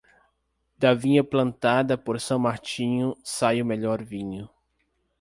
Da vinha plantada por São Martinho, sai o melhor vinho.